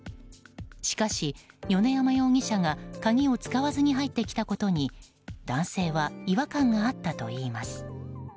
しかし、米山容疑者が鍵を使わずに入ってきたことに男性は違和感があったといいます。